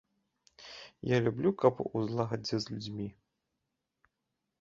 Я люблю, каб у злагадзе з людзьмі.